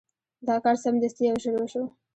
دا کار سمدستي او ژر وشو.